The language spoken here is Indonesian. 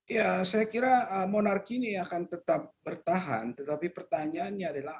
ya saya kira monarki ini akan tetap bertahan tetapi pertanyaannya adalah